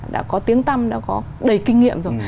đã có tiếng tâm đã có đầy kinh nghiệm rồi